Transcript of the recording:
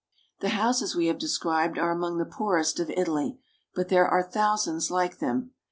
The houses we have described are among the poorest of Italy, but there are thousands like them.